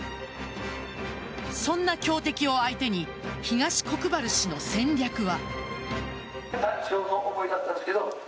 そんな強敵を相手に東国原氏の戦略は。